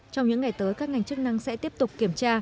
trong những ngày tới các ngành chức năng sẽ tiếp tục kiểm tra